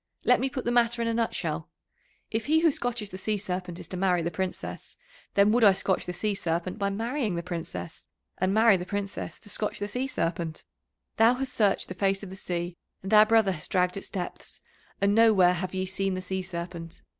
Let me put the matter in a nutshell. If he who scotches the Sea Serpent is to marry the Princess, then would I scotch the Sea Serpent by marrying the Princess, and marry the Princess to scotch the Sea Serpent. Thou hast searched the face of the sea, and our brother has dragged its depths, and nowhere have ye seen the Sea Serpent.